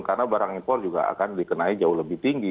karena barang impor juga akan dikenai jauh lebih tinggi